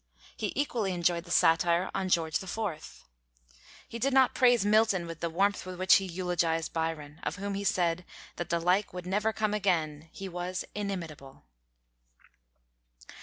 He equally enjoyed the satire on George IV. He did not praise Milton with the warmth with which he eulogized Byron, of whom he said that "the like would never come again; he was inimitable."